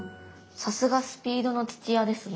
さすがスピードの土屋ですね。